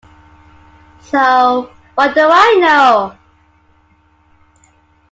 So what do I know?